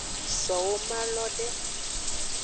So womalo de.